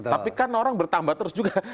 tapi kan orang bertambah terus juga